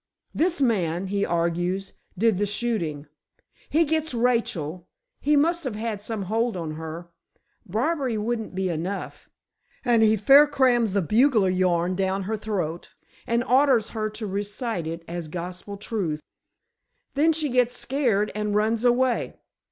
This man, he argues, did the shooting. He gets Rachel—he must have some hold on her, bribery wouldn't be enough—and he fair crams the bugler yarn down her throat, and orders her to recite it as Gospel truth." "Then she gets scared and runs away."